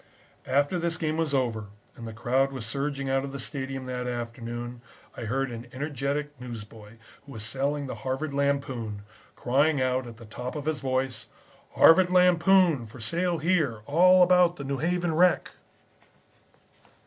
After this game was over and the crowd was surging out of the stadium that afternoon I heard an energetic newsboy, who was selling the Harvard Lampoon, crying out at the top of his voice: "'Harvard Lampoon for sale here. All about the New Haven wreck.'"